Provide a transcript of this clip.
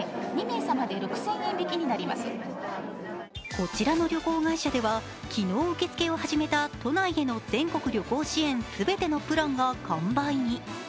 こちらの旅行会社では昨日受け付けを始めた都内への全国旅行支援すべてのプランが完売に。